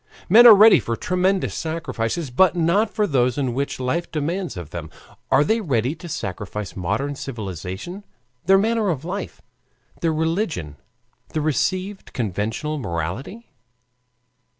Men are ready for tremendous sacrifices, but not for those which life demands of them. Are they ready to sacrifice modern civilization, their manner of life, their religion, the received conventional morality?